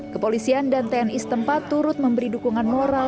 kepolisian dan tni setempat turut memberi dukungan moral